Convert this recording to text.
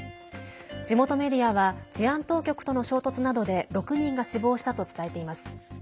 地元メディアは治安当局との衝突などで６人が死亡したと伝えています。